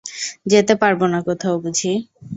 যেতে পাববো না কোথাও বুঝি?